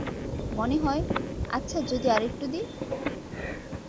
মনে হয়-আচ্ছা যদি আর একটু দি?